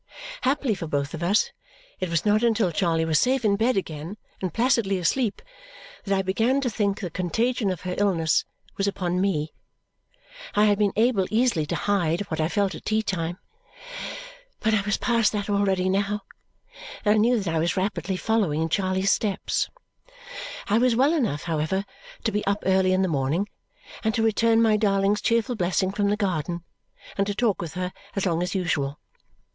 Happily for both of us, it was not until Charley was safe in bed again and placidly asleep that I began to think the contagion of her illness was upon me. I had been able easily to hide what I felt at tea time, but I was past that already now, and I knew that I was rapidly following in Charley's steps. I was well enough, however, to be up early in the morning, and to return my darling's cheerful blessing from the garden, and to talk with her as long as usual.